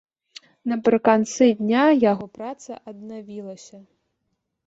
Напрыканцы дня яго праца аднавілася.